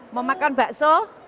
mau makan bakso